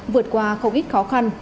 vượt qua không ít khó khăn